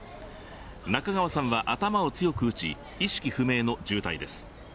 中川さんは頭を強く打ち意識不明の重体です。